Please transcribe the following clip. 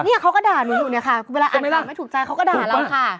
เนี่ยเขาก็ด่าหนูอยู่เนี่ยค่ะเวลาอ่านข่าวไม่ถูกใจเขาก็ด่าเราค่ะ